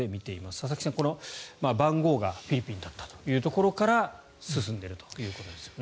佐々木さん、番号がフィリピンだったというところから進んでいるということですね。